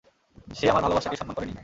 সে আমার ভালোবাসাকে সম্মান করেনি।